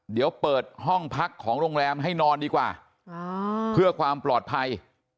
เดี๋ยวเปิดห้องพักของโรงแรมให้นอนดีกว่าเพื่อความปลอดภัย